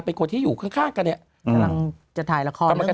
เป็นคนที่อยู่ข้างกันเนี่ยกำลังจะถ่ายละครเหมือนกัน